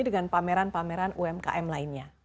dengan pameran pameran umkm lainnya